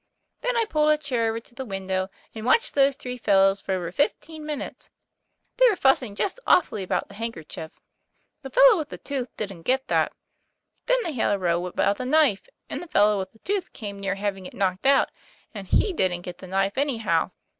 ' Then I pulled a chair over to the window, and watched those three fellows for over fifteen minutes. They were fussing just awfully about the handker chief. The fellow with the tooth didn't get that. Then they had a row about the knife, and the fellow with the tooth came near having it knocked out and he didn't get the knife anyhow.